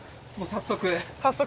早速。